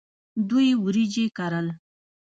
دوی وریجې کرل.